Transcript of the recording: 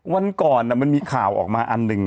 วันก่อนมันมีข่าวออกมาอันหนึ่ง